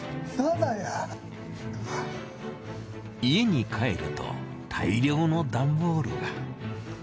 家に帰ると大量の段ボールが。